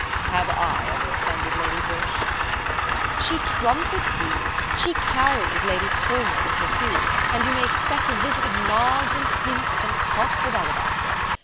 "Have I ever offended Lady Busshe?" "She trumpets you. She carries Lady Culmer with her too, and you may expect a visit of nods and hints and pots of alabaster.